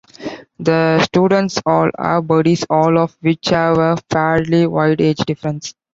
The students all have buddies, all of which have a fairly wide age difference.